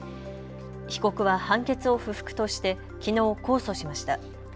被告は判決を不服としてきのう控訴しました。